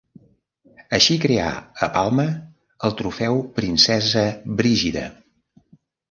Així creà, a Palma, el Trofeu Princesa Brígida.